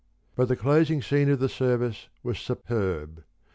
But the closing scene of the service was superb.